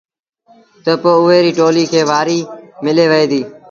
تا پو اُئي ريٚ ٽوليٚ کي وآريٚ ملي وهي ديٚ۔